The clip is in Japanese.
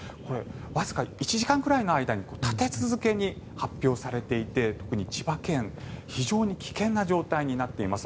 わずか１時間くらいの間に立て続けに発表されていて特に千葉県、非常に危険な状態になっています。